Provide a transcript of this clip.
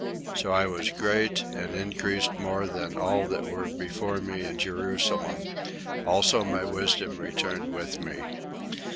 "So I was great, and increased more than all that were before me in Jerusalem; also my wisdom returned with me.